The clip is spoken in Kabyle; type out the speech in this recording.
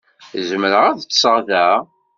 Zemreɣ ad ṭṭseɣ da?